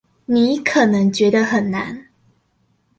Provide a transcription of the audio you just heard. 你可能覺得很難